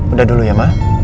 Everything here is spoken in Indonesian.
udah dulu ya ma